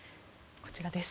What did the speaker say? こちらです。